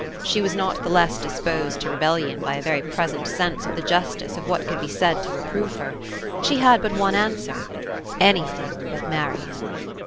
She was not the less disposed to rebellion by a very present sense of the justice of what could be said to reprove her. She had but one answer: "Anything but marry him!"